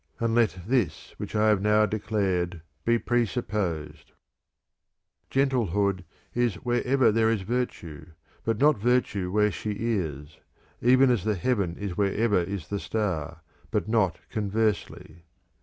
And let this which I have now declared be presupposed. [loo] VI Gentlehood is wherever there is virtue, but not virtue where she is ; even as the heaven is wherever is the star, but not conversely.